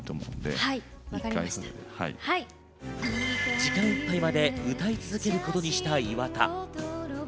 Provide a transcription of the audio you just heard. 時間いっぱいまで歌い続けることにした岩田。